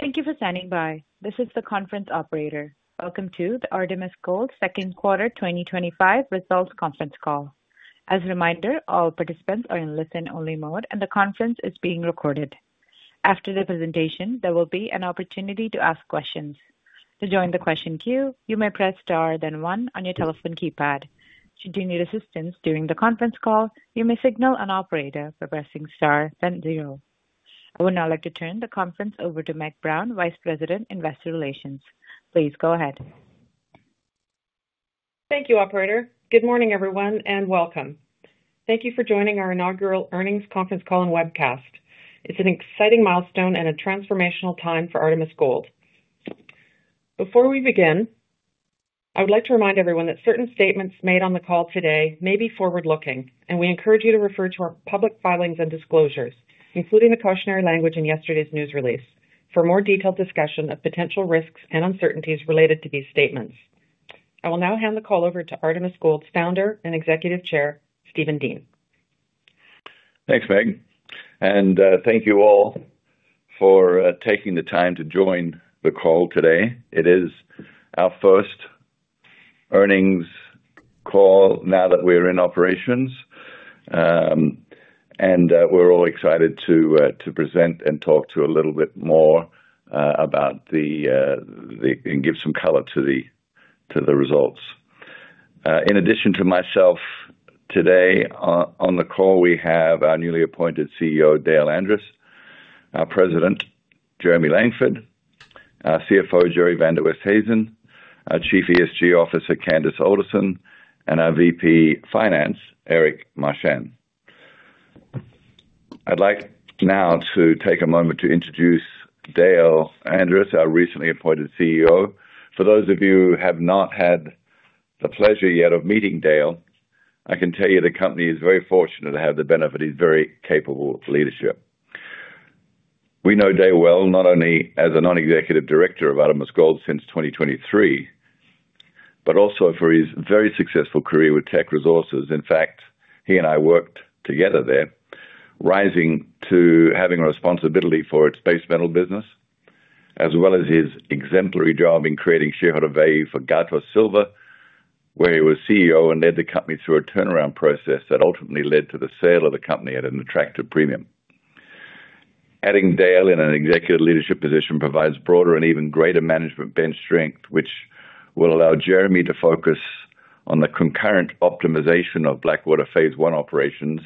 Thank you for standing by. This is the conference operator. Welcome to the Artemis Gold Second Quarter 2025 Results Conference Call. As a reminder, all participants are in listen-only mode, and the conference is being recorded. After the presentation, there will be an opportunity to ask questions. To join the question queue, you may press star, then one on your telephone keypad. Should you need assistance during the conference call, you may signal an operator by pressing star, then zero. I would now like to turn the conference over to Meg Brown, Vice President, Investor Relations. Please go ahead. Thank you, Operator. Good morning, everyone, and welcome. Thank you for joining our Inaugural Earnings Conference Call and Webcast. It's an exciting milestone and a transformational time for Artemis Gold. Before we begin, I would like to remind everyone that certain statements made on the call today may be forward-looking, and we encourage you to refer to our public filings and disclosures, including the cautionary language in yesterday's news release, for more detailed discussion of potential risks and uncertainties related to these statements. I will now hand the call over to Artemis Gold's Founder and Executive Chair, Steven Dean. Thanks, Meg, and thank you all for taking the time to join the call today. It is our first earnings call now that we're in operations, and we're all excited to present and talk a little bit more about the, and give some color to the results. In addition to myself today on the call, we have our newly appointed CEO, Dale Andres, our President, Jeremy Langford, our CFO, Gerrie van der Westhuizen, our Chief ESG Officer, Candice Alderson, and our VP of Finance, Erik Marchand. I'd like now to take a moment to introduce Dale Andres, our recently appointed CEO. For those of you who have not had the pleasure yet of meeting Dale, I can tell you the company is very fortunate to have the benefit of his very capable leadership. We know Dale well, not only as a non-executive director of Artemis Gold since 2023, but also for his very successful career with Teck Resources. In fact, he and I worked together there, rising to having a responsibility for its base metal business, as well as his exemplary job in creating shareholder value for Gatos Silver, where he was CEO and led the company through a turnaround process that ultimately led to the sale of the company at an attractive premium. Adding Dale in an executive leadership position provides broader and even greater management bench strength, which will allow Jeremy to focus on the concurrent optimization of Blackwater Phase 1 operations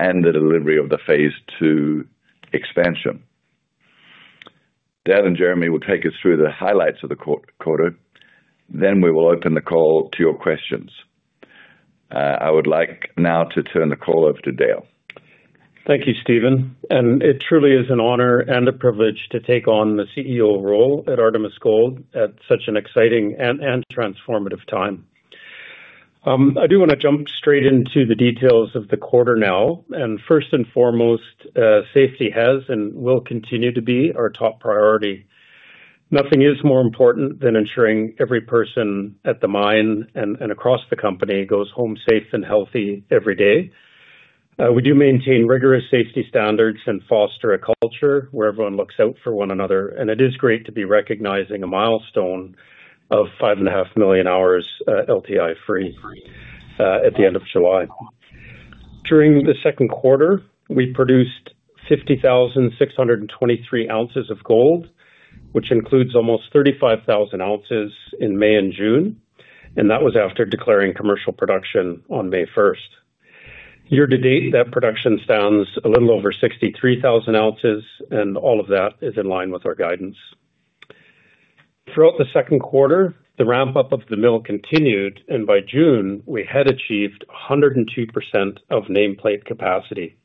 and the delivery of the Phase 2 expansion. Dale and Jeremy will take us through the highlights of the quarter. We will open the call to your questions. I would like now to turn the call over to Dale. Thank you, Steven. It truly is an honor and a privilege to take on the CEO role at Artemis Gold at such an exciting and transformative time. I do want to jump straight into the details of the quarter now. First and foremost, safety has and will continue to be our top priority. Nothing is more important than ensuring every person at the mine and across the company goes home safe and healthy every day. We do maintain rigorous safety standards and foster a culture where everyone looks out for one another. It is great to be recognizing a milestone of 5.5 million hours LTI-free at the end of July. During the second quarter, we produced 50,623 oz of gold, which includes almost 35,000 oz in May and June. That was after declaring commercial production on May 1st. Year to date, that production stands a little over 63,000 oz, and all of that is in line with our guidance. Throughout the second quarter, the ramp-up of the mill continued, and by June, we had achieved 102% of nameplate capacity.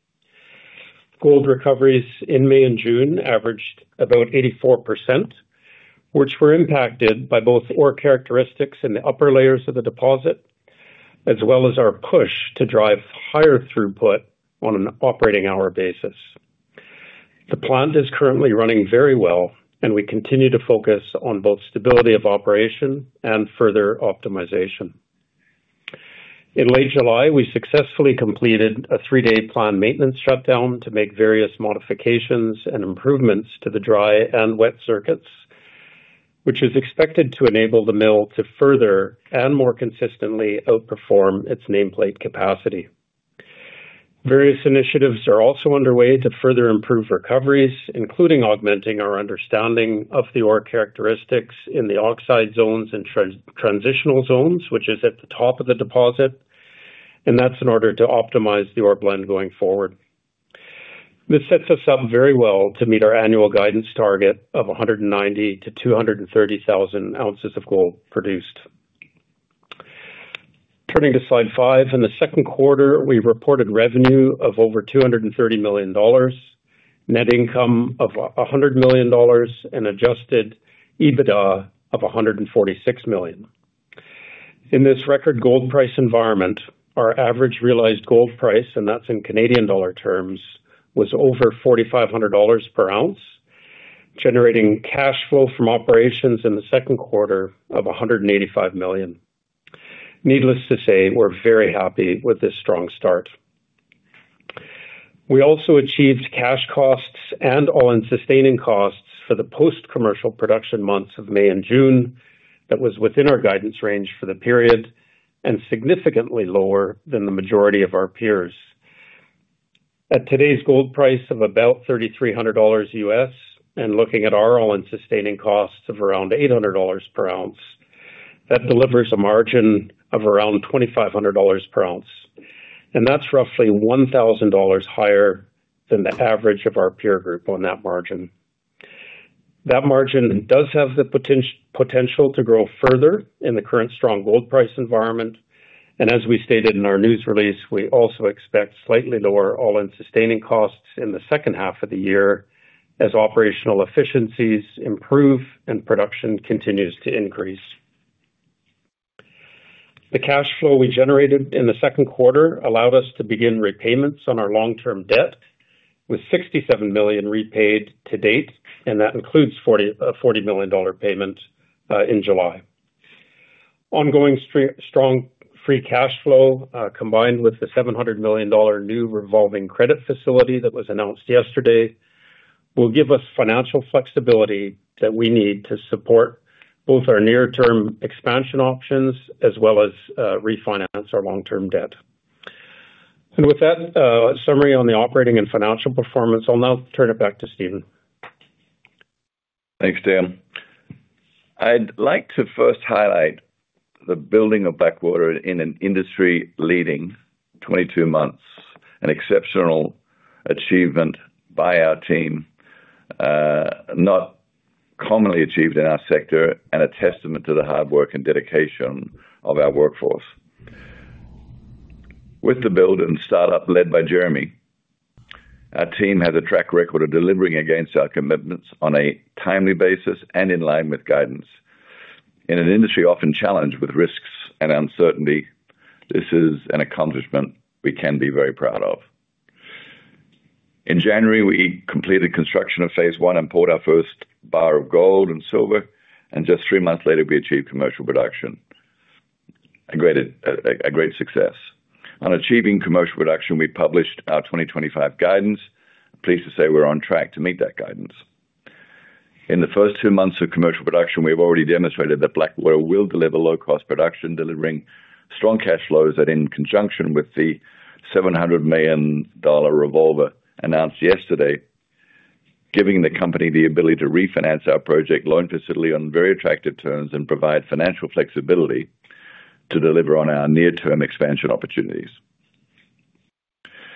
Gold recoveries in May and June averaged about 84%, which were impacted by both ore characteristics in the upper layers of the deposit as well as our push to drive higher throughput on an operating hour basis. The plant is currently running very well, and we continue to focus on both stability of operation and further optimization. In late July, we successfully completed a three-day plant maintenance shutdown to make various modifications and improvements to the dry and wet circuits, which is expected to enable the mill to further and more consistently outperform its nameplate capacity. Various initiatives are also underway to further improve recoveries, including augmenting our understanding of the ore characteristics in the oxide zones and transitional zones, which is at the top of the deposit. That is in order to optimize the ore blend going forward. This sets us up very well to meet our annual guidance target of 190,000-230,000 oz of gold produced. Turning to slide five, in the second quarter, we reported revenue of over $230 million, net income of $100 million, and adjusted EBITDA of $146 million. In this record gold price environment, our average realized gold price, and that is in Canadian dollar terms, was over 4,500 dollars per ounce, generating cash flow from operations in the second quarter of $185 million. Needless to say, we're very happy with this strong start. We also achieved cash costs and all-in sustaining costs for the post-commercial production months of May and June. That was within our guidance range for the period and significantly lower than the majority of our peers. At today's gold price of about $3,300 U.S., and looking at our all-in sustaining costs of around $800 per ounce, that delivers a margin of around $2,500 per ounce. That's roughly $1,000 higher than the average of our peer group on that margin. That margin does have the potential to grow further in the current strong gold price environment. As we stated in our news release, we also expect slightly lower all-in sustaining costs in the second half of the year as operational efficiencies improve and production continues to increase. The cash flow we generated in the second quarter allowed us to begin repayments on our long-term debt, with $67 million repaid to date, and that includes a $40 million payment in July. Ongoing strong free cash flow, combined with the $700 million new revolving credit facility that was announced yesterday, will give us financial flexibility that we need to support both our near-term expansion options as well as refinance our long-term debt. With that summary on the operating and financial performance, I'll now turn it back to Steven. Thanks, Dale. I'd like to first highlight the building of Blackwater in an industry-leading 22 months, an exceptional achievement by our team, not commonly achieved in our sector, and a testament to the hard work and dedication of our workforce. With the build and startup led by Jeremy, our team has a track record of delivering against our commitments on a timely basis and in line with guidance. In an industry often challenged with risks and uncertainty, this is an accomplishment we can be very proud of. In January, we completed construction of Phase 1 and poured our first bar of gold and silver, and just three months later, we achieved commercial production. A great success. On achieving commercial production, we published our 2025 guidance. Pleased to say we're on track to meet that guidance. In the first two months of commercial production, we have already demonstrated that Blackwater will deliver low-cost production, delivering strong cash flows that, in conjunction with the $700 million revolver announced yesterday, give the company the ability to refinance our Project Loan Facility on very attractive terms and provide financial flexibility to deliver on our near-term expansion opportunities.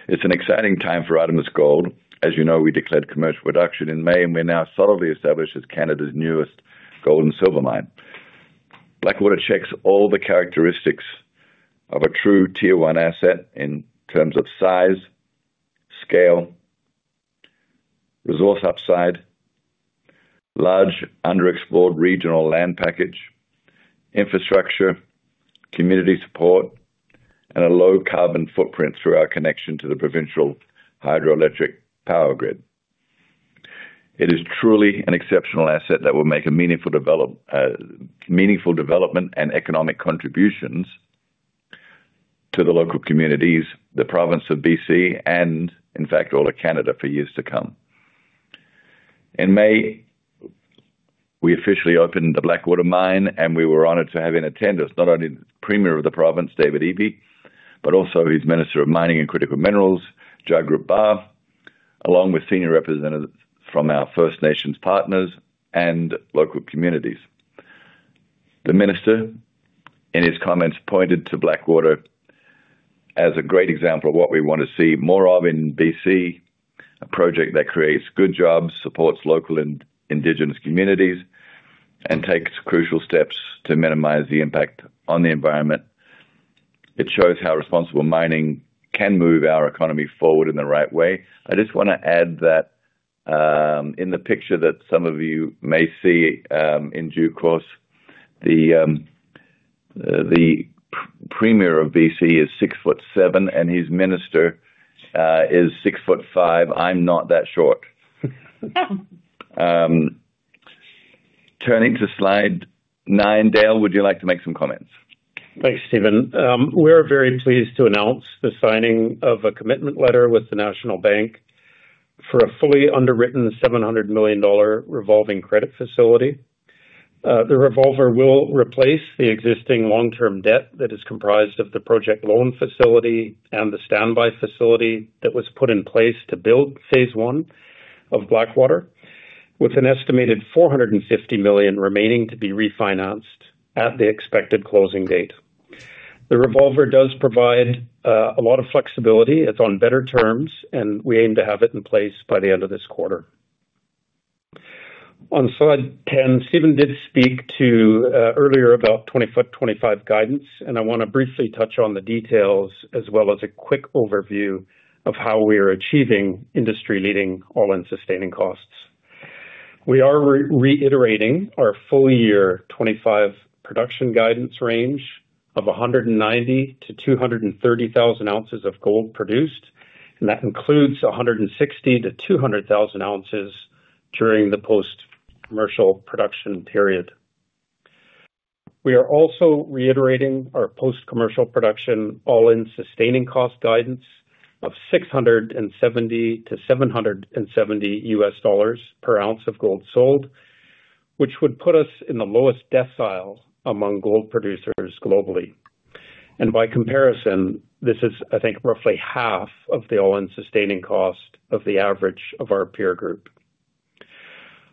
It's an exciting time for Artemis Gold. As you know, we declared commercial production in May, and we're now solidly established as Canada's newest gold and silver mine. Blackwater checks all the characteristics of a true Tier 1 asset in terms of size, scale, resource upside, large underexplored regional land package, infrastructure, community support, and a low carbon footprint through our connection to the provincial hydroelectric power grid. It is truly an exceptional asset that will make meaningful development and economic contributions to the local communities, the province of British Columbia, and in fact, all of Canada for years to come. In May, we officially opened the Blackwater Mine, and we were honored to have in attendance not only the Premier of the province, David Eby, but also his Minister of Mining and Critical Minerals, Jagrup Brar, along with senior representatives from our First Nations partners and local communities. The Minister, in his comments, pointed to Blackwater as a great example of what we want to see more of in British Columbia, a project that creates good jobs, supports local and indigenous communities, and takes crucial steps to minimize the impact on the environment. It shows how responsible mining can move our economy forward in the right way. I just want to add that in the picture that some of you may see in due course, the Premier of British Columbia is six foot seven, and his Minister is six foot five. I'm not that short. Turning to slide nine, Dale, would you like to make some comments? Thanks, Steven. We're very pleased to announce the signing of a commitment letter with the National Bank of Canada for a fully underwritten $700 million revolving credit facility. The revolver will replace the existing long-term debt that is comprised of the Project Loan Facility and the Stand-by Facility that was put in place to build Phase One of Blackwater, with an estimated $450 million remaining to be refinanced at the expected closing date. The revolver does provide a lot of flexibility, it's on better terms, and we aim to have it in place by the end of this quarter. On slide ten, Steven did speak earlier about 2025 guidance, and I want to briefly touch on the details, as well as a quick overview of how we are achieving industry-leading all-in sustaining costs. We are reiterating our full year 2025 production guidance range of 190,000-230,000 oz of gold produced, and that includes 160,000-200,000 oz during the post-commercial production period. We are also reiterating our post-commercial production all-in sustaining cost guidance of $670-$770 U.S. dollars per ounce of gold sold, which would put us in the lowest decile among gold producers globally. By comparison, this is, I think, roughly half of the all-in sustaining cost of the average of our peer group.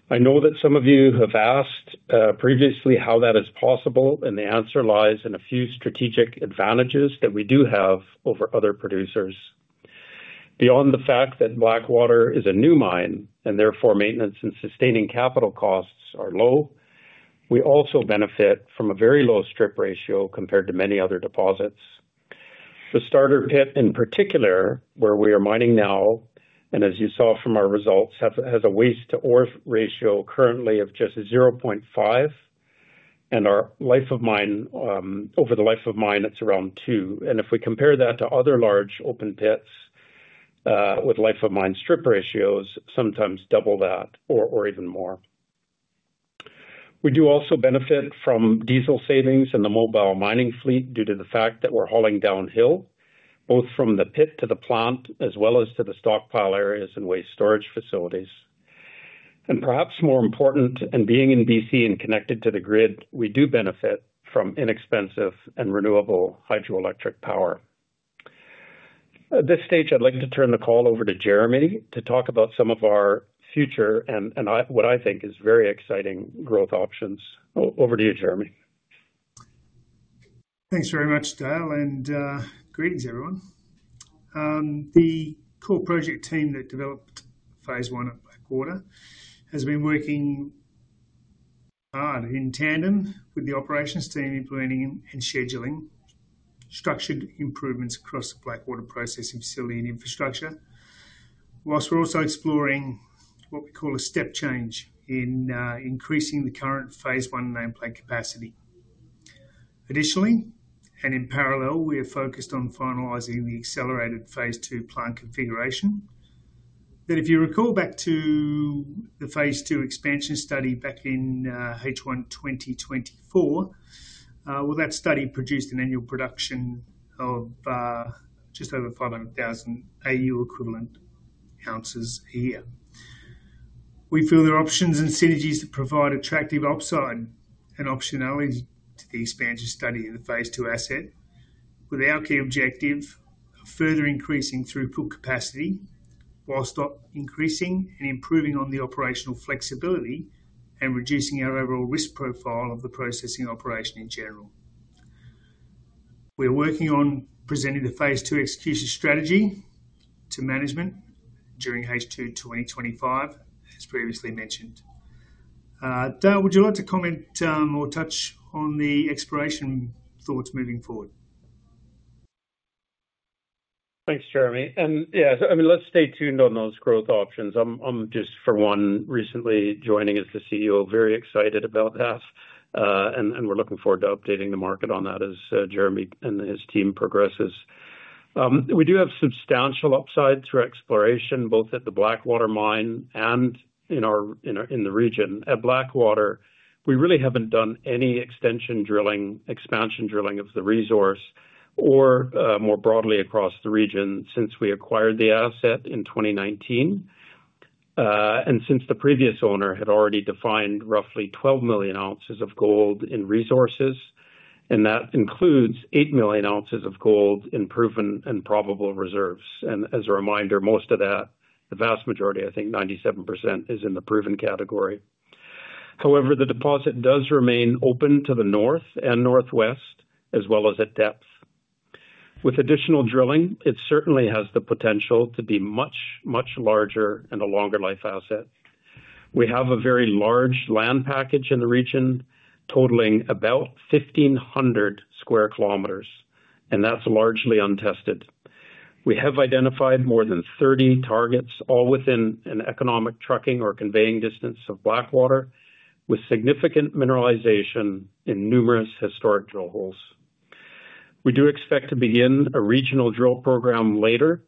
I know that some of you have asked previously how that is possible, and the answer lies in a few strategic advantages that we do have over other producers. Beyond the fact that Blackwater is a new mine, and therefore maintenance and sustaining capital costs are low, we also benefit from a very low strip ratio compared to many other deposits. The starter pit in particular, where we are mining now, and as you saw from our results, has a waste-to-ore ratio currently of just 0.5, and over the life of mine, it's around 2. If we compare that to other large open pits with life of mine strip ratios, sometimes double that or even more. We do also benefit from diesel savings in the mobile mining fleet due to the fact that we're hauling downhill, both from the pit to the plant, as well as to the stockpile areas and waste storage facilities. Perhaps more important, being in British Columbia and connected to the grid, we do benefit from inexpensive and renewable hydroelectric power. At this stage, I'd like to turn the call over to Jeremy to talk about some of our future and what I think is very exciting growth options. Over to you, Jeremy. Thanks very much, Dale, and greetings, everyone. The core project team that developed Phase 1 at Blackwater has been working hard in tandem with the operations team, planning and scheduling structured improvements across the Blackwater processing facility and infrastructure, whilst we're also exploring what we call a step change in increasing the current Phase 1 nameplate capacity. Additionally, and in parallel, we are focused on finalizing the accelerated Phase 2 plant configuration. If you recall back to the Phase 2 expansion study back in H1 2024, that study produced an annual production of just over 500,000 Au equivalent oz a year. We feel there are options and synergies that provide attractive upside and optionality to the expansion study of the Phase 2 asset, with our key objective of further increasing throughput capacity, whilst increasing and improving on the operational flexibility and reducing our overall risk profile of the processing operation in general. We're working on presenting the Phase 2 execution strategy to management during H2 2025, as previously mentioned. Dale, would you like to comment or touch on the exploration thoughts moving forward? Thanks, Jeremy. Yeah, I mean, let's stay tuned on those growth options. I'm just, for one, recently joining as the CEO, very excited about that, and we're looking forward to updating the market on that as Jeremy and his team progress. We do have substantial upside through exploration, both at the Blackwater Mine and in the region. At Blackwater, we really haven't done any extension drilling, expansion drilling of the resource, or more broadly across the region since we acquired the asset in 2019, and since the previous owner had already defined roughly 12 million oz of gold in resources, and that includes 8 million oz of gold in proven and probable reserves. As a reminder, most of that, the vast majority, I think 97%, is in the proven category. However, the deposit does remain open to the north and northwest, as well as at depth. With additional drilling, it certainly has the potential to be much, much larger and a longer life asset. We have a very large land package in the region, totaling about 1,500 sq. km, and that's largely untested. We have identified more than 30 targets, all within an economic trucking or conveying distance of Blackwater, with significant mineralization in numerous historic drill holes. We do expect to begin a regional drill program later,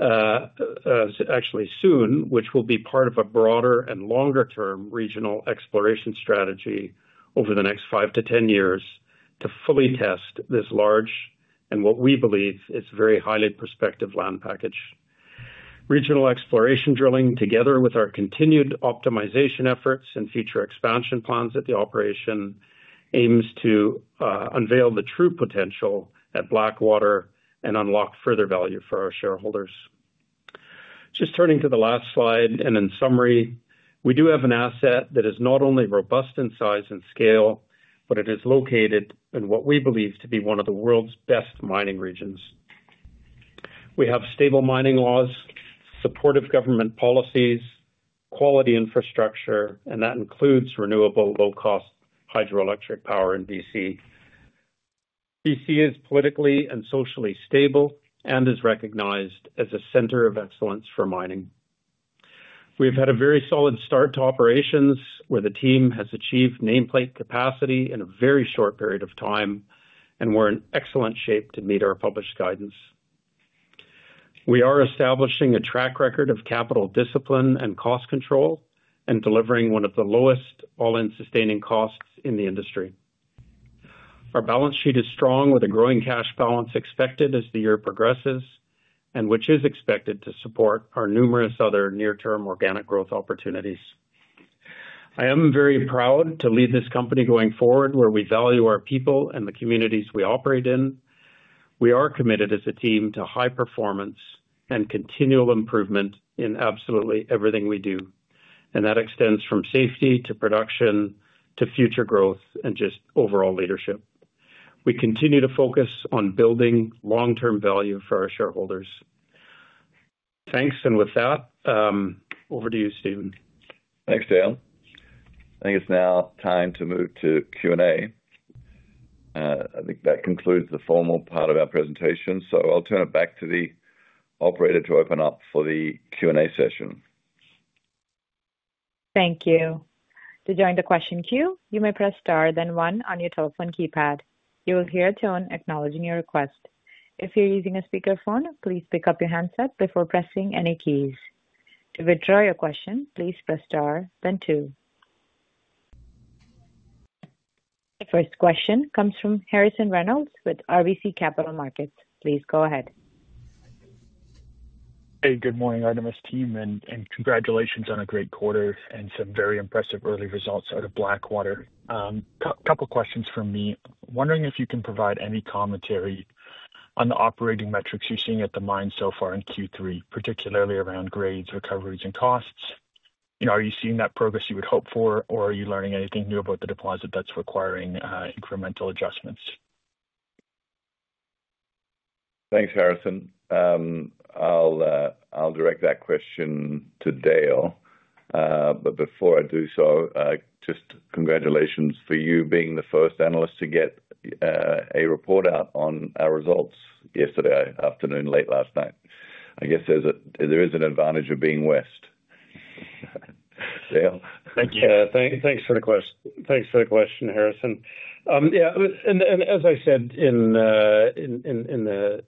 actually soon, which will be part of a broader and longer-term regional exploration strategy over the next five to ten years to fully test this large and what we believe is a very highly prospective land package. Regional exploration drilling, together with our continued optimization efforts and future expansion plans at the operation, aims to unveil the true potential at Blackwater and unlock further value for our shareholders. Just turning to the last slide, and in summary, we do have an asset that is not only robust in size and scale, but it is located in what we believe to be one of the world's best mining regions. We have stable mining laws, supportive government policies, quality infrastructure, and that includes renewable low-cost hydroelectric power in BC. BC is politically and socially stable and is recognized as a center of excellence for mining. We have had a very solid start to operations, where the team has achieved nameplate capacity in a very short period of time, and we're in excellent shape to meet our published guidance. We are establishing a track record of capital discipline and cost control, and delivering one of the lowest all-in sustaining costs in the industry. Our balance sheet is strong, with a growing cash balance expected as the year progresses, which is expected to support our numerous other near-term organic growth opportunities. I am very proud to lead this company going forward, where we value our people and the communities we operate in. We are committed as a team to high performance and continual improvement in absolutely everything we do, and that extends from safety to production to future growth and just overall leadership. We continue to focus on building long-term value for our shareholders. Thanks, and with that, over to you, Steven. Thanks, Dale. I think it's now time to move to Q&A. I think that concludes the formal part of our presentation, so I'll turn it back to the operator to open up for the Q&A session. Thank you. To join the question queue, you may press star, then one on your telephone keypad. You will hear a tone acknowledging your request. If you're using a speakerphone, please pick up your handset before pressing any keys. To withdraw your question, please press star, then two. The first question comes from Harrison Reynolds with RBC Capital Markets. Please go ahead. Hey, good morning, Artemis team, and congratulations on a great quarter and some very impressive early results out of Blackwater. A couple of questions from me. Wondering if you can provide any commentary on the operating metrics you're seeing at the mine so far in Q3, particularly around grades, recoveries, and costs. Are you seeing that progress you would hope for, or are you learning anything new about the deposit that's requiring incremental adjustments? Thanks, Harrison. I'll direct that question to Dale. Before I do so, just congratulations for you being the first analyst to get a report out on our results yesterday afternoon, late last night. I guess there is an advantage of being West. Dale. Thank you. Thanks for the question. Thanks for the question, Harrison. Yeah, as I said in the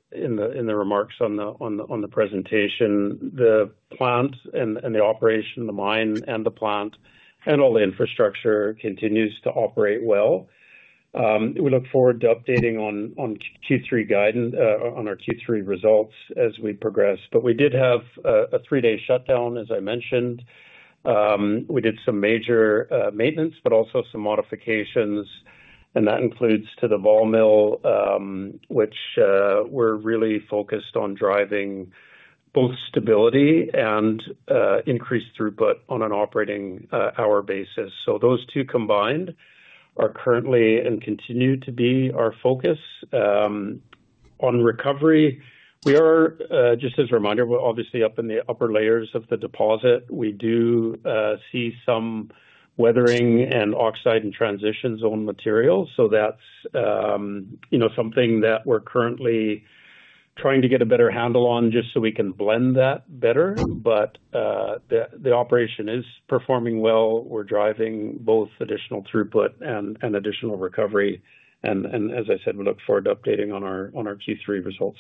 remarks on the presentation, the plant and the operation, the mine and the plant, and all the infrastructure continues to operate well. We look forward to updating on our Q3 results as we progress. We did have a three-day shutdown, as I mentioned. We did some major maintenance, but also some modifications, and that includes to the ball mill, which we're really focused on driving both stability and increased throughput on an operating hour basis. Those two combined are currently and continue to be our focus on recovery. We are, just as a reminder, obviously up in the upper layers of the deposit. We do see some weathering and oxide and transition zone materials. That's something that we're currently trying to get a better handle on just so we can blend that better. The operation is performing well. We're driving both additional throughput and additional recovery. As I said, we look forward to updating on our Q3 results.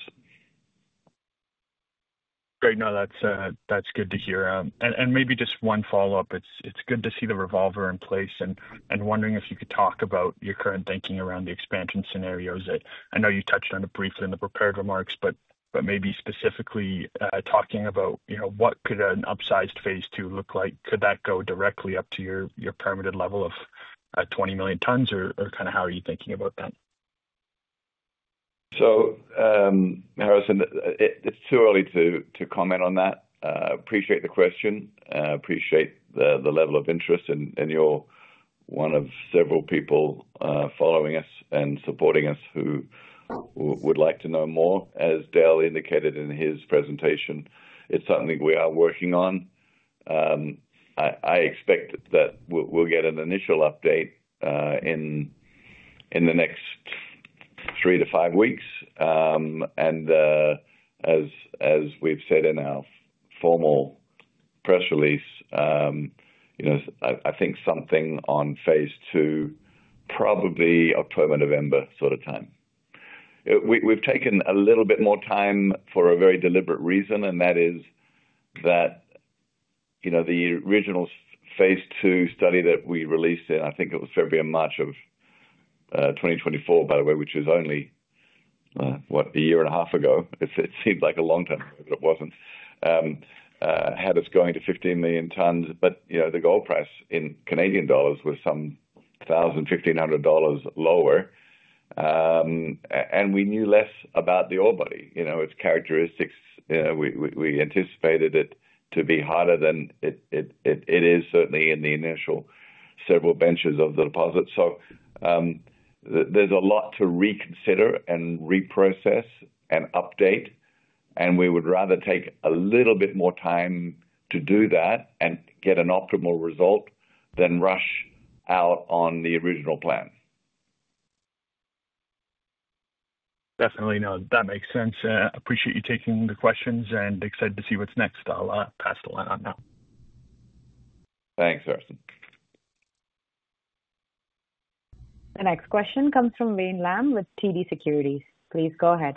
Great. No, that's good to hear. Maybe just one follow-up. It's good to see the revolver in place. I'm wondering if you could talk about your current thinking around the expansion scenarios. I know you touched on it briefly in the prepared remarks, but maybe specifically talking about what could an upsized Phase 2 look like. Could that go directly up to your permitted level of 20 million tons, or how are you thinking about that? Harrison, it's too early to comment on that. Appreciate the question. Appreciate the level of interest and you're one of several people following us and supporting us who would like to know more. As Dale indicated in his presentation, it's something we are working on. I expect that we'll get an initial update in the next three to five weeks. As we've said in our formal press release, I think something on Phase 2, probably October-November sort of time. We've taken a little bit more time for a very deliberate reason, and that is that the original Phase Two study that we released in, I think it was February or March of 2024, by the way, which was only, what, a year and a half ago. It seemed like a long time ago, but it wasn't, had us going to 15 million tons. The gold price in Canadian dollars was some $1,500 lower. We knew less about the ore body. Its characteristics, we anticipated it to be harder than it is certainly in the initial several benches of the deposit. There's a lot to reconsider and reprocess and update. We would rather take a little bit more time to do that and get an optimal result than rush out on the original plan. Definitely. No, that makes sense. Appreciate you taking the questions and excited to see what's next. I'll pass the line on now. Thanks, Harrison. The next question comes from Wayne Lam with TD Securities. Please go ahead.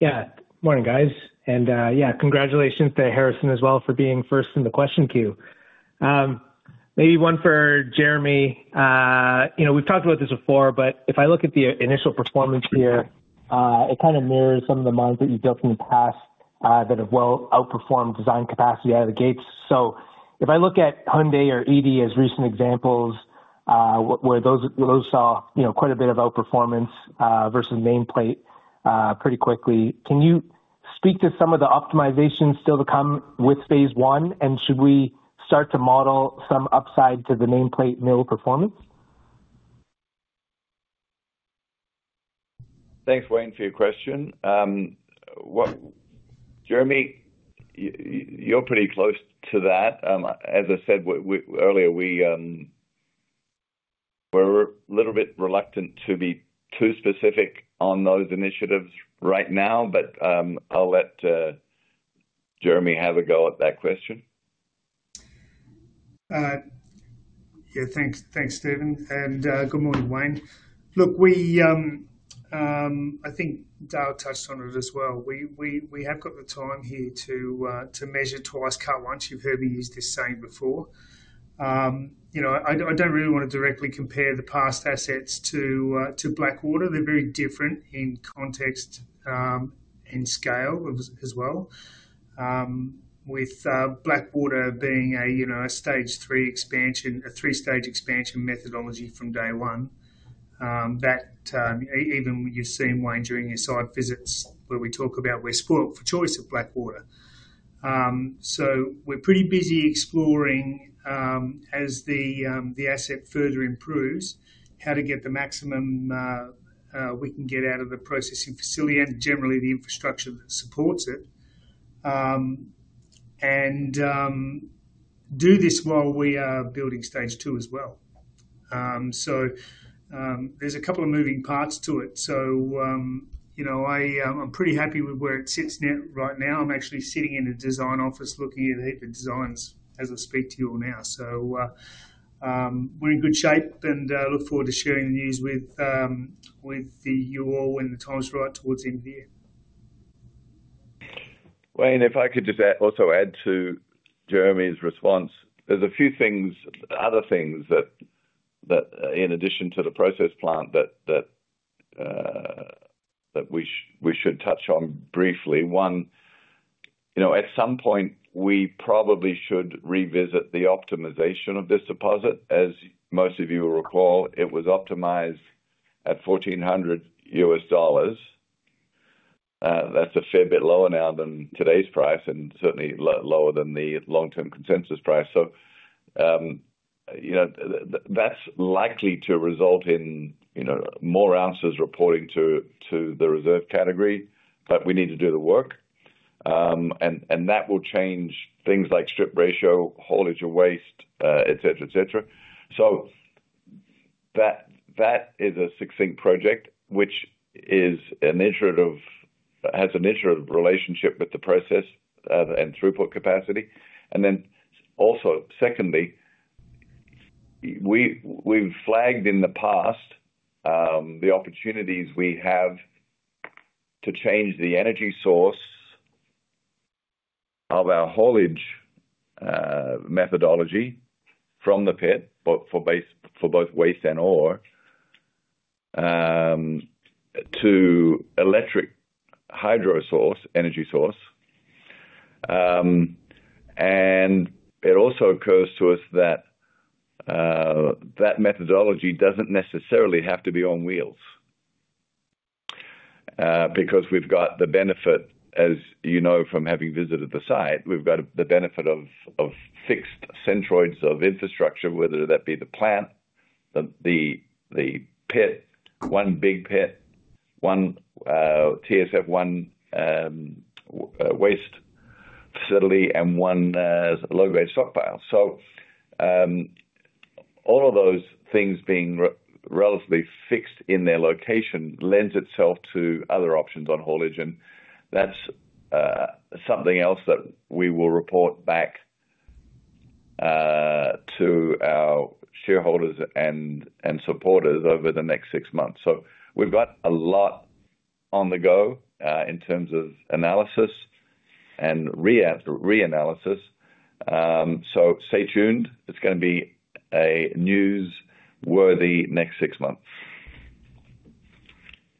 Good morning, guys. Congratulations to Harrison as well for being first in the question queue. Maybe one for Jeremy. You know, we've talked about this before, but if I look at the initial performance here, it kind of mirrors some of the mines that you've dealt with in the past that have well outperformed design capacity out of the gates. If I look at Hyundai or ED as recent examples, where those saw quite a bit of outperformance versus nameplate pretty quickly, can you speak to some of the optimizations still to come with Phase 1, and should we start to model some upside to the nameplate mill performance? Thanks, Wayne, for your question. Jeremy, you're pretty close to that. As I said earlier, we're a little bit reluctant to be too specific on those initiatives right now, but I'll let Jeremy have a go at that question. Yeah, thanks, Steven, and good morning, Wayne. I think Dale touched on it as well. We have got the time here to measure twice, cut once. You've heard me use this saying before. I don't really want to directly compare the past assets to Blackwater. They're very different in context and scale as well, with Blackwater being a three-stage expansion methodology from day one. That even you've seen, Wayne, during your site visits where we talk about we spoil for choice at Blackwater. We're pretty busy exploring, as the asset further improves, how to get the maximum we can get out of the processing facility and generally the infrastructure that supports it and do this while we are building Stage Two as well. There are a couple of moving parts to it. I'm pretty happy with where it sits right now. I'm actually sitting in a design office looking at the designs as I speak to you all now. We're in good shape and look forward to sharing the news with you all when the time's right towards the end of the year. Wayne, if I could just also add to Jeremy's response, there's a few things, other things that in addition to the process plant that we should touch on briefly. One, at some point, we probably should revisit the optimization of this deposit. As most of you will recall, it was optimized at $1,400 U.S. dollars. That's a fair bit lower now than today's price and certainly lower than the long-term consensus price. That's likely to result in more ounces reporting to the reserve category, but we need to do the work. That will change things like strip ratio, haulage of waste, et cetera, et cetera. That is a succinct project, which has an interesting relationship with the process and throughput capacity. Also, we've flagged in the past the opportunities we have to change the energy source of our haulage methodology from the pit for both waste and ore to electric hydro source, energy source. It also occurs to us that that methodology doesn't necessarily have to be on wheels because we've got the benefit, as you know, from having visited the site, we've got the benefit of fixed centroids of infrastructure, whether that be the plant, the pit, one big pit, one TSF, one waste facility, and one low-grade stockpile. All of those things being relatively fixed in their location lends itself to other options on haulage. That's something else that we will report back to our shareholders and supporters over the next six months. We've got a lot on the go in terms of analysis and re-analysis. Stay tuned. It's going to be a newsworthy next six months.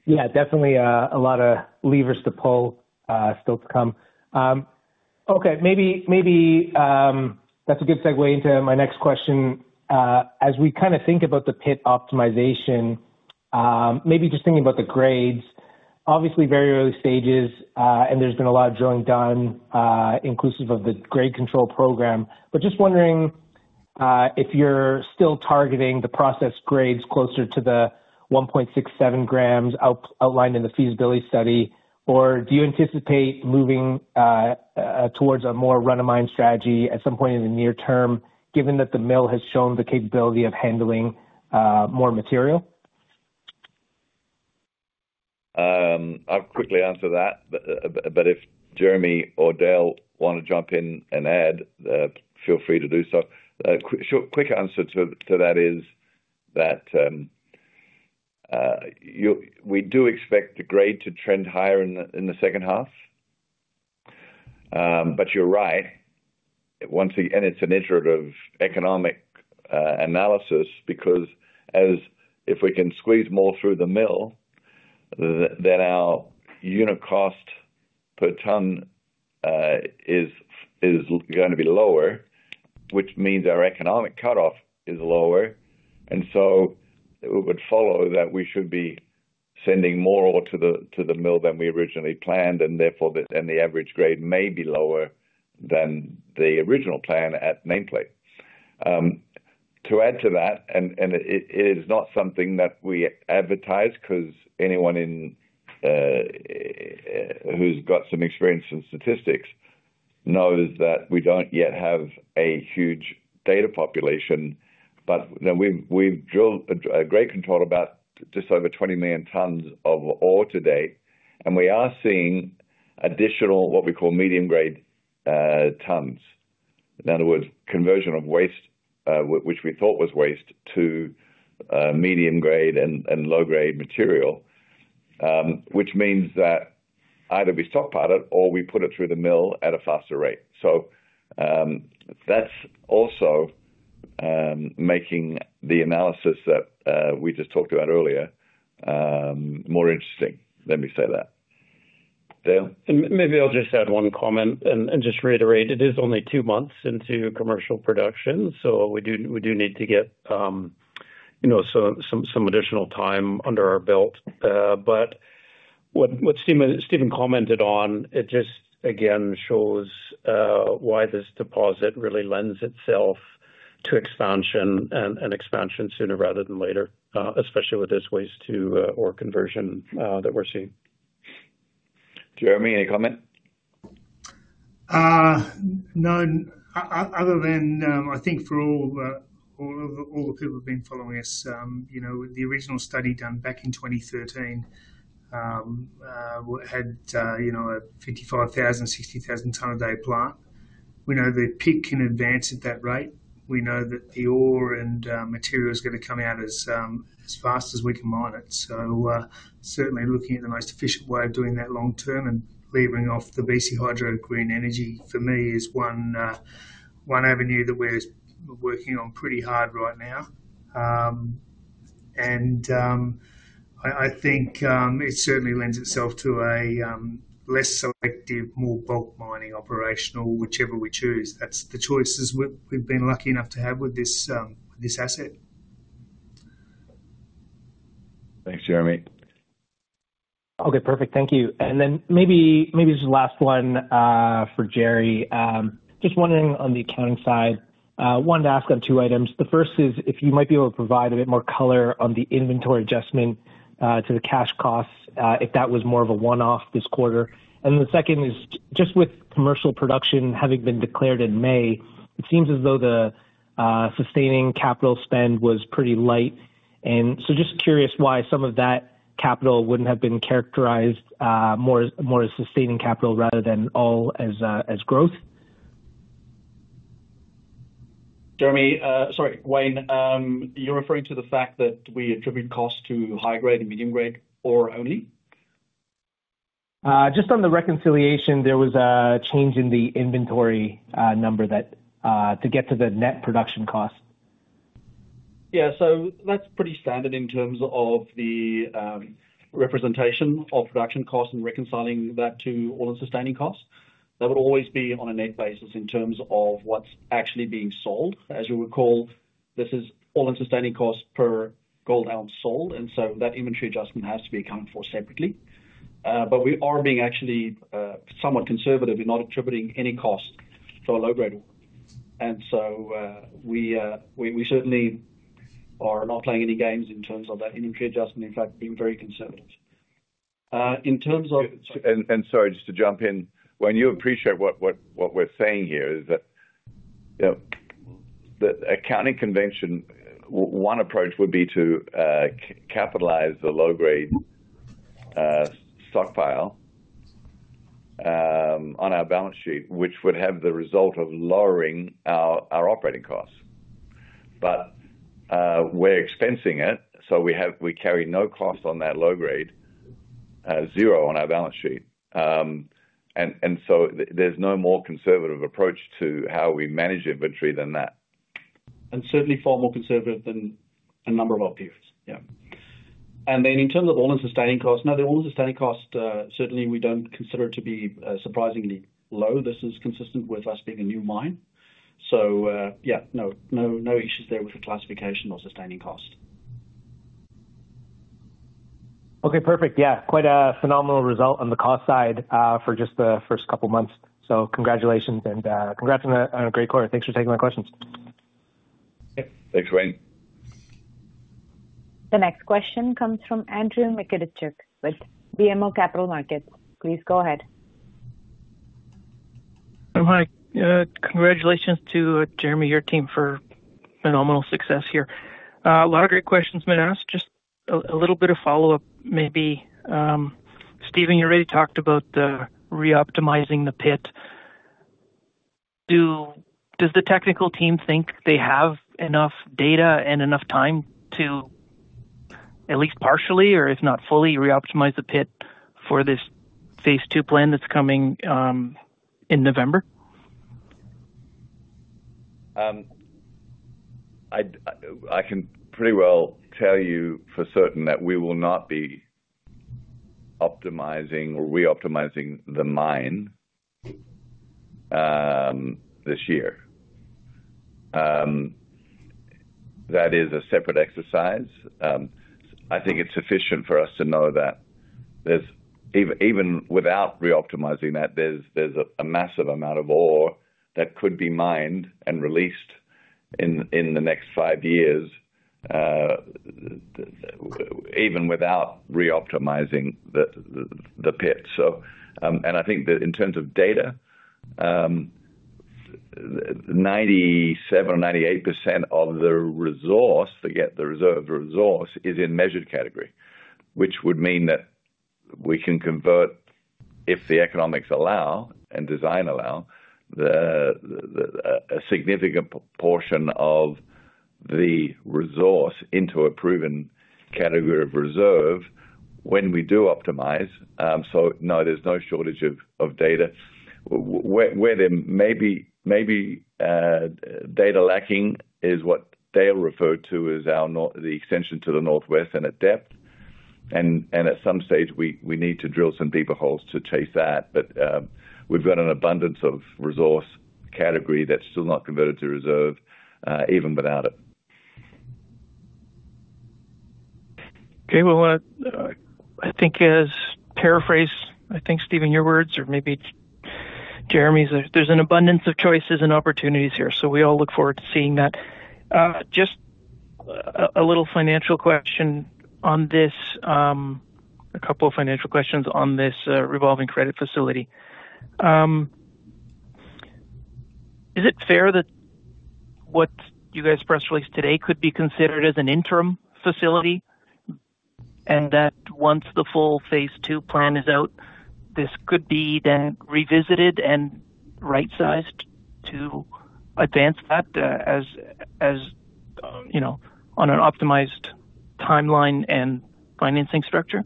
Yeah, definitely a lot of levers to pull still to come. Okay, maybe that's a good segue into my next question. As we kind of think about the pit optimization, maybe just thinking about the grades, obviously very early stages, and there's been a lot of drilling done inclusive of the grade control program. Just wondering if you're still targeting the process grades closer to the 1.67 g outlined in the feasibility study, or do you anticipate moving towards a more run-of-mine strategy at some point in the near term, given that the mill has shown the capability of handling more material? I'll quickly answer that, but if Jeremy or Dale want to jump in and add, feel free to do so. The quick answer to that is that we do expect the grade to trend higher in the second half. You're right. Once again, it's an iterative economic analysis because if we can squeeze more through the mill, then our unit cost per ton is going to be lower, which means our economic cutoff is lower. It would follow that we should be sending more ore to the mill than we originally planned, and therefore the average grade may be lower than the original plan at nameplate. To add to that, it is not something that we advertise because anyone who's got some experience in statistics knows that we don't yet have a huge data population, but we've drilled a grade control about just over 20 million tons of ore to date, and we are seeing additional what we call medium-grade tons. In other words, conversion of waste, which we thought was waste, to medium-grade and low-grade material, which means that either we stockpile it or we put it through the mill at a faster rate. That's also making the analysis that we just talked about earlier more interesting. Let me say that. Dale. Maybe I'll just add one comment and just reiterate. It is only two months into commercial production, so we do need to get some additional time under our belt. What Steven commented on, it just again shows why this deposit really lends itself to expansion and expansion sooner rather than later, especially with this waste-to-ore conversion that we're seeing. Jeremy, any comment? No, other than I think for all the people who've been following us, you know, the original study done back in 2013 had a 55,000-60,000-ton a day plant. We know the peak can advance at that rate. We know that the ore and material is going to come out as fast as we can mine it. Certainly looking at the most efficient way of doing that long-term and levering off the BC Hydro to green energy for me is one avenue that we're working on pretty hard right now. I think it certainly lends itself to a less selective, more bulk mining operation, whichever we choose. That's the choices we've been lucky enough to have with this asset. Thanks, Jeremy. Okay, perfect. Thank you. Maybe this is the last one for Jerry. Just wondering on the accounting side, I wanted to ask on two items. The first is if you might be able to provide a bit more color on the inventory adjustment to the cash costs if that was more of a one-off this quarter. The second is just with commercial production having been declared in May, it seems as though the sustaining capital spend was pretty light. Just curious why some of that capital wouldn't have been characterized more as sustaining capital rather than all as growth. Jeremy, sorry, Wayne, you're referring to the fact that we attribute cost to high-grade and medium-grade ore only? Just on the reconciliation, there was a change in the inventory number to get to the net production cost. Yeah, that's pretty standard in terms of the representation of production costs and reconciling that to all-in sustaining costs. That would always be on a net basis in terms of what's actually being sold. As you recall, this is all-in sustaining costs per gold ounce sold, and that inventory adjustment has to be accounted for separately. We are actually being somewhat conservative in not attributing any cost to a low-grade ore, and we certainly are not playing any games in terms of that inventory adjustment, in fact, being very conservative. Sorry, just to jump in, Wayne, you appreciate what we're saying here is that the accounting convention, one approach would be to capitalize the low-grade stockpile on our balance sheet, which would have the result of lowering our operating costs. We're expensing it, so we carry no cost on that low grade, zero on our balance sheet. There is no more conservative approach to how we manage inventory than that. Certainly far more conservative than a number of other peers. In terms of all-in sustaining costs, no, the all-in sustaining costs, we don't consider it to be surprisingly low. This is consistent with us being a new mine. No issues there with the classification or sustaining costs. Okay, perfect. Quite a phenomenal result on the cost side for just the first couple of months. Congratulations and congrats on a great quarter. Thanks for taking my questions. Thanks, Wayne. The next question comes from Andrew Mikitchook with BMO Capital Markets. Please go ahead. Oh, hi. Congratulations to Jeremy and your team for phenomenal success here. A lot of great questions been asked. Just a little bit of follow-up. Maybe Steven, you already talked about the re-optimizing the pit. Does the technical team think they have enough data and enough time to at least partially, or if not fully, re-optimize the pit for this Phase 2 plan that's coming in November? I can pretty well tell you for certain that we will not be optimizing or re-optimizing the mine this year. That is a separate exercise. I think it's sufficient for us to know that there's, even without re-optimizing that, there's a massive amount of ore that could be mined and released in the next five years, even without re-optimizing the pit. I think that in terms of data, 97% or 98% of the resource, the reserve resource, is in measured category, which would mean that we can convert, if the economics allow and design allow, a significant portion of the resource into a proven category of reserve when we do optimize. No, there's no shortage of data. Where there may be data lacking is what Dale referred to as the extension to the northwest and at depth. At some stage, we need to drill some deeper holes to chase that. We've got an abundance of resource category that's still not converted to reserve, even without it. Okay, I think as paraphrased, I think, Steven, your words, or maybe Jeremy's, there's an abundance of choices and opportunities here. We all look forward to seeing that. Just a little financial question on this, a couple of financial questions on this revolving credit facility. Is it fair that what you guys press released today could be considered as an interim facility and that once the full Phase 2 plan is out, this could be then revisited and right-sized to advance that as, you know, on an optimized timeline and financing structure?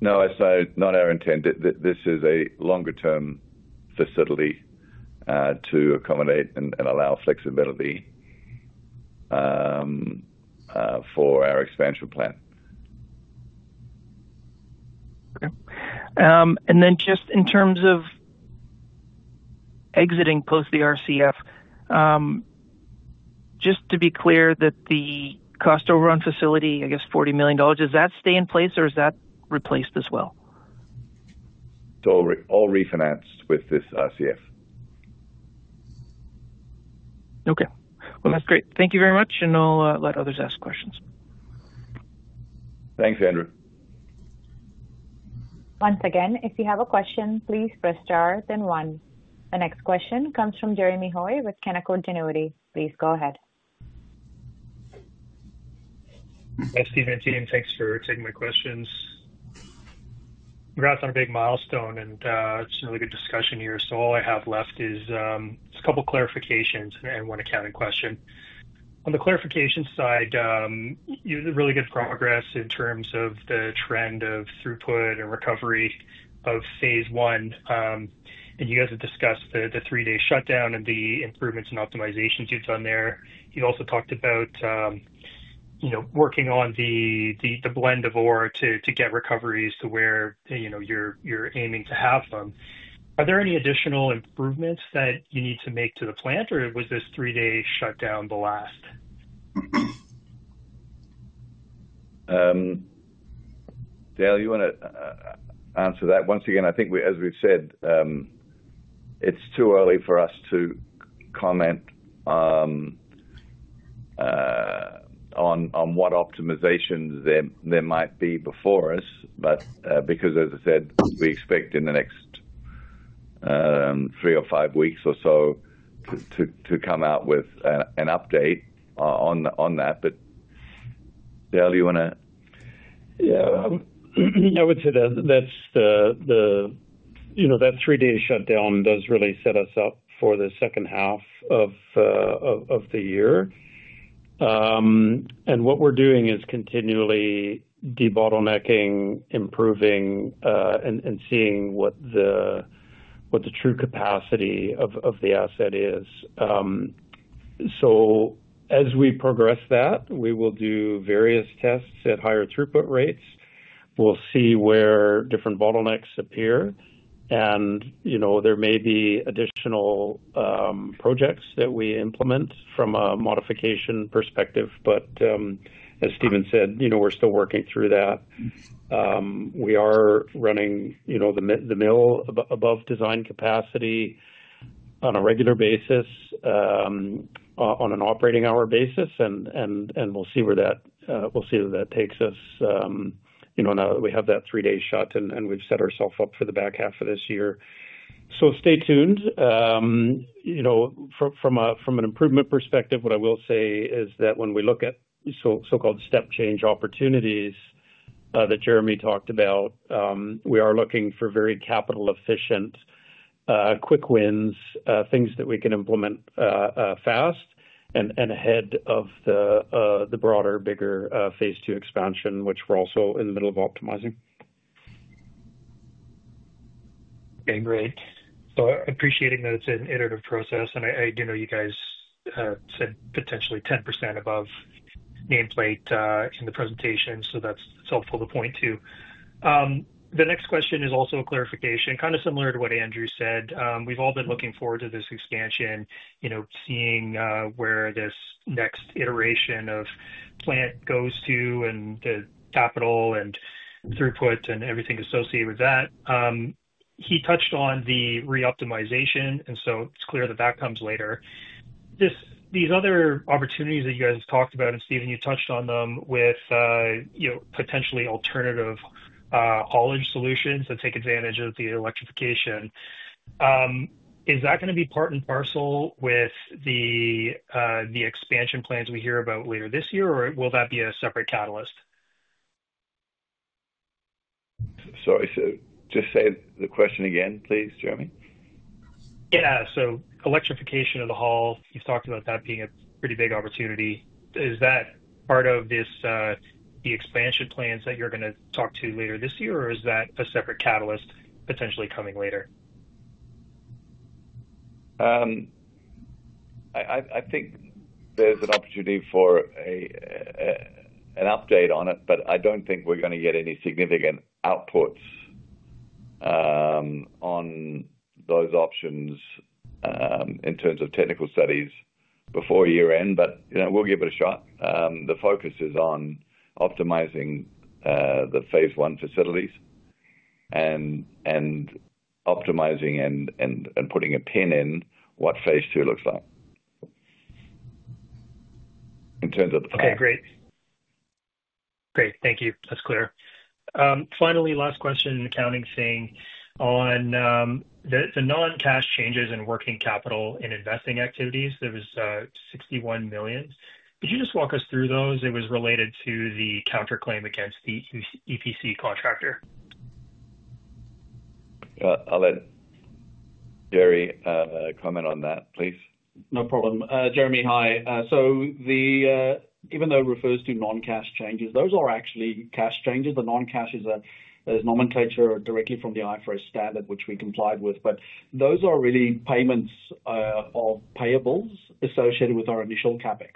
No, it's not our intent. This is a longer-term facility to accommodate and allow flexibility for our expansion plan. Okay. Just in terms of exiting post the RCF, just to be clear, the cost overrun facility, I guess $40 million, does that stay in place or is that replaced as well? It's all refinanced with this revolving credit facility. That's great. Thank you very much, and I'll let others ask questions. Thanks, Andrew. Once again, if you have a question, please press star, then one. The next question comes from Jeremy Langford with Canaccord Genuity. Please go ahead. Thanks, Steven and James. Thanks for taking my questions. Congrats on a big milestone, and it's a really good discussion here. I have left a couple of clarifications and one accounting question. On the clarification side, you did really good progress in terms of the trend of throughput and recovery of Phase 1. You guys have discussed the three-day shutdown and the improvements and optimizations you've done there. You've also talked about working on the blend of ore to get recoveries to where you're aiming to have them. Are there any additional improvements that you need to make to the plant, or was this three-day shutdown the last? Dale, you want to answer that? As we've said, it's too early for us to comment on what optimizations there might be before us. As I said, we expect in the next three or five weeks or so to come out with an update on that. Dale, you want to? I would say that three-day shutdown does really set us up for the second half of the year. What we're doing is continually debottlenecking, improving, and seeing what the true capacity of the asset is. As we progress that, we will do various tests at higher throughput rates. We'll see where different bottlenecks appear. There may be additional projects that we implement from a modification perspective. As Steven said, we're still working through that. We are running the mill above design capacity on a regular basis, on an operating hour basis, and we'll see where that takes us. Now that we have that three-day shut and we've set ourselves up for the back half of this year, stay tuned. From an improvement perspective, what I will say is that when we look at so-called step change opportunities that Jeremy talked about, we are looking for very capital-efficient, quick wins, things that we can implement fast and ahead of the broader, bigger Phase 2 expansion, which we're also in the middle of optimizing. Okay, great. I’m appreciating that it’s an iterative process. I do know you guys said potentially 10% above nameplate in the presentation, so that’s helpful to point to. The next question is also a clarification, kind of similar to what Andrew said. We’ve all been looking forward to this expansion, seeing where this next iteration of plant goes to and the capital and the throughput and everything associated with that. He touched on the re-optimization, and it’s clear that comes later. These other opportunities that you guys have talked about, and Steven, you touched on them with, you know, potentially alternative haulage solutions that take advantage of the electrification. Is that going to be part and parcel with the expansion plans we hear about later this year, or will that be a separate catalyst? Sorry, just say the question again, please, Jeremy. Yeah, so electrification of the haul, you've talked about that being a pretty big opportunity. Is that part of this, the expansion plans that you're going to talk to later this year, or is that a separate catalyst potentially coming later? I think there's an opportunity for an update on it, but I don't think we're going to get any significant outputs on those options in terms of technical studies before year-end. We'll give it a shot. The focus is on optimizing the Phase 1 facilities and optimizing and putting a pin in what Phase 2 looks like in terms of the plan. Okay, great. Great, thank you. That's clear. Finally, last question, accounting thing, on the non-cash changes and working capital in investing activities. There was $61 million. Could you just walk us through those? It was related to the counterclaim against the EPC contractor. Yeah, I'll let Jerry comment on that, please. No problem. Jeremy, hi. Even though it refers to non-cash changes, those are actually cash changes. The non-cash is, as Norman Tate showed, directly from the IFRS standard, which we complied with. Those are really payments of payables associated with our initial CapEx,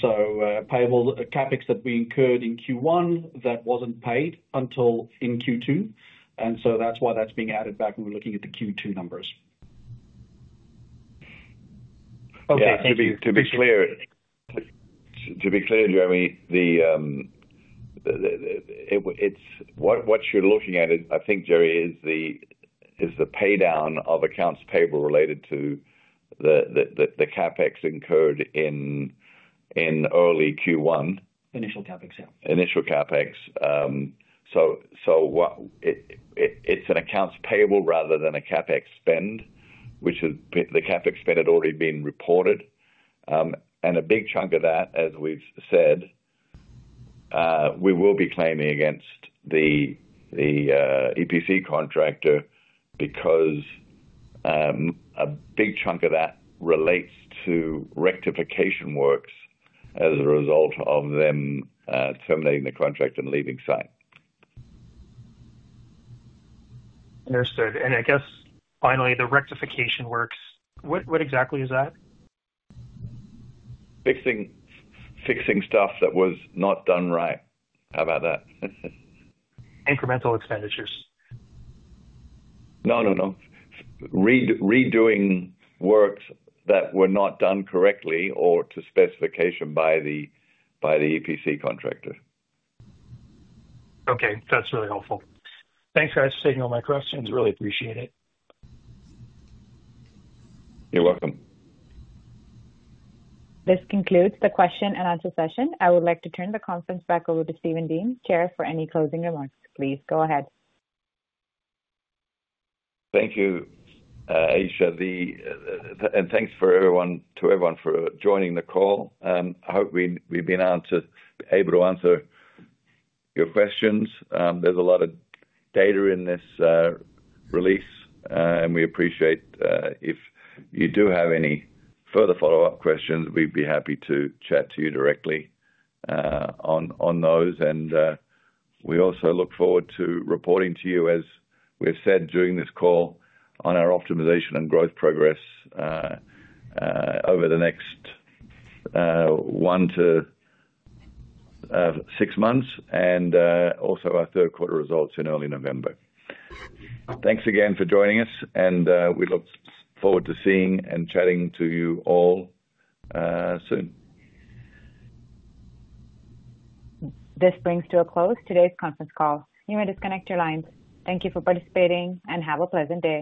so CapEx that we incurred in Q1 that wasn't paid until Q2. That's why that's being added back when we're looking at the Q2 numbers. Okay, thank you. To be clear, Jeremy, what you're looking at, I think, Jerry, is the paydown of accounts payable related to the CapEx incurred in early Q1. Initial CapEx, yeah. Initial CapEx. It's an accounts payable rather than a CapEx spend, which would be the CapEx spend had already been reported. A big chunk of that, as we've said, we will be claiming against the EPC contractor because a big chunk of that relates to rectification works as a result of them terminating the contract and leaving site. Understood. I guess finally, the rectification works, what exactly is that? Fixing stuff that was not done right. How about that? Incremental expenditures. Redoing works that were not done correctly or to specification by the EPC contractor. Okay, that's really helpful. Thanks, guys, for taking all my questions. Really appreciate it. You're welcome. This concludes the question-and-answer session. I would like to turn the conference back over to Steven Dean, Chair, for any closing remarks. Please go ahead. Thank you, Aisha. Thank you to everyone for joining the call. I hope we've been able to answer your questions. There's a lot of data in this release, and we appreciate if you do have any further follow-up questions, we'd be happy to chat to you directly on those. We also look forward to reporting to you, as we've said during this call, on our optimization and growth progress over the next one to six months and also our third quarter results in early November. Thanks again for joining us, and we look forward to seeing and chatting to you all soon. This brings to a close today's conference call. You may disconnect your lines. Thank you for participating and have a pleasant day.